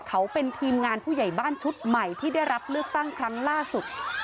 เขาเป็นทีมงานผู้ใหญ่บ้านชุดใหม่ที่ได้รับเลือกตั้งครั้งล่าสุด